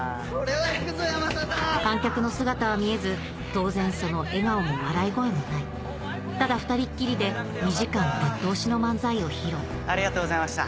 観客の姿は見えず当然その笑顔も笑い声もないただ２人っきりで２時間ぶっ通しの漫才を披露ありがとうございました。